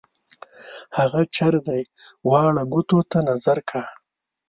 هغه چر دی واړه ګوتو ته نظر کا.